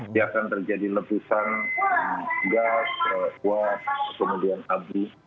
biarkan terjadi lebusan gas kuat kemudian abu